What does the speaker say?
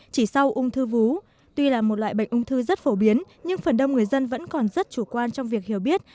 chỉ sau ung thư vú tuy là một loại bệnh ung thư rất phổ biến nhưng phần đông người dân vẫn còn rất chủ quan trong việc hiểu biết